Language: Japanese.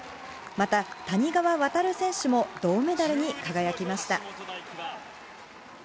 また谷川航選手も銅メダルに輝きました。